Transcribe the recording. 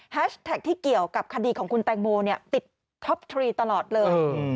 แท็กที่เกี่ยวกับคดีของคุณแตงโมเนี่ยติดท็อปทรีตลอดเลย